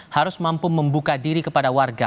harus mampu membuka diri kepada warga